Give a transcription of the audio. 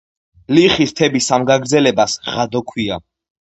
ლიხის მთების ამ გაგრძელებას ღადო ერქვა.